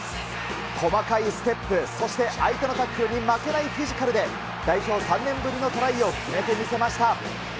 細かいステップ、そして相手のタックルに負けないフィジカルで、代表３年ぶりのトライを決めてみせました。